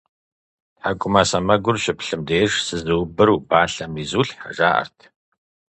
ТхьэкӀумэ сэмэгур щыплъым деж «Сызыубыр убалъэм изулъхьэ», жаӀэрт.